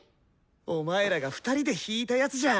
お前らが２人で弾いたやつじゃん！